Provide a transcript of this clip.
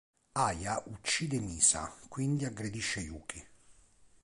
Aya uccide Misa, quindi aggredisce Yuki.